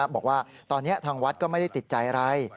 บอกว่าตอนนี้ทางวัดก็ไม่ได้ติดใจอะไร